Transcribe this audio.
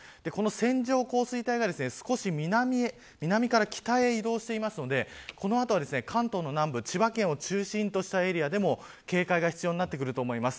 線状降水帯が、少し南から北へ移動していますのでこの後関東の南部千葉県を中心としたエリアでも警戒が必要になると思います。